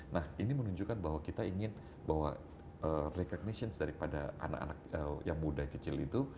nah ini menunjukkan bahwa kita ingin bahwa recognitions daripada anak anak yang muda kecil itu